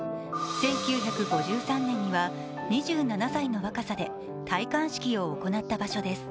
１９５３年には２７歳の若さで戴冠式を行った場所です。